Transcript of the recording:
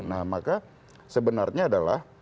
nah maka sebenarnya adalah